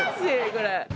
これ。